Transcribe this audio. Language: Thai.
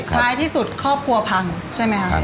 ท้ายที่สุดครอบครัวพังใช่ไหมคะ